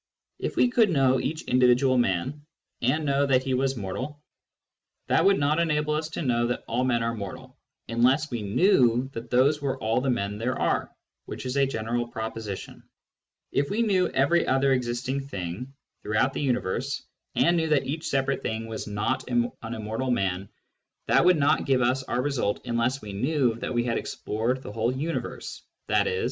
If we could know each individual man, and know that he was mortal, that would not enable us to know that all men are mortal, unless we knew that Digitized by Google S6 SCIENTIFIC METHOD IN PHILOSOPHY those were all the men there are, which is a general pro position. If we knew every other existing thing through out the universe, and knew that each separate thing was not an immortal man, that would not give us our result unless we knew that we had explored the whole universe, i.e.